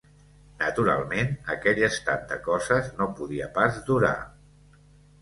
Naturalment, aquell estat de coses no podia pas durar